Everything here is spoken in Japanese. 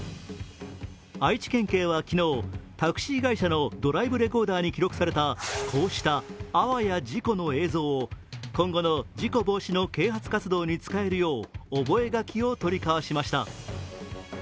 愛知県警は昨日、タクシー会社のドライブレコーダーに記録されたこうした、あわや事故の映像を今後の事故防止の啓発活動に使えるよう覚書を取り交わしました。